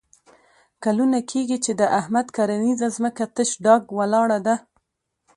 کلونه کېږي چې د احمد کرنیزه ځمکه تش ډاګ ولاړه ده.